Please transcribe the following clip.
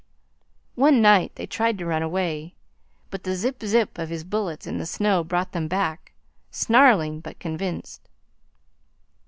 One night they tried to run away, but the zip zip of his bullets in the snow brought them back, snarling but convinced.